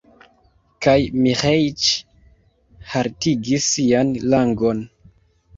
Kaj Miĥeiĉ haltigis sian langon.